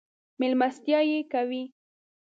مېلمستیاوې یې کوي.